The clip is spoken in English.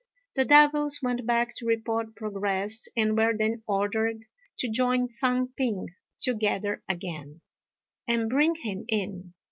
The devils went back to report progress, and were then ordered to join Fang p'ing together again, and bring him in.